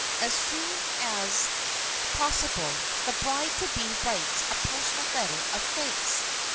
As soon as possible, the bride to be writes a personal letter of thanks.